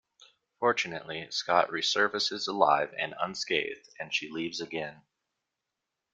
Fortunately, Scott resurfaces alive and unscathed and she leaves again.